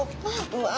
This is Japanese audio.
うわ！